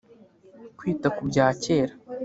kwita ku bya kera